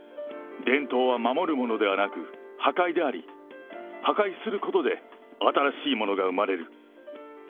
伝統は守るものではなく、破壊であり、破壊することで新しいものが生まれる。